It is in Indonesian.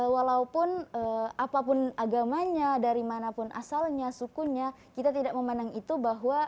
walaupun apapun agamanya dari manapun asalnya sukunya kita tidak memandang itu bahwa